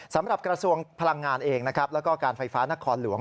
สำหรับกระทรวงพลังงานเองนะครับแล้วก็การไฟฟ้านครหลวง